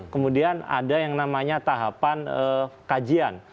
kemudian ada yang namanya tahapan kajian